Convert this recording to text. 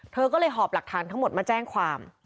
เธอก็เลยหอบหลักฐานทั้งหมดมาแจ้งความ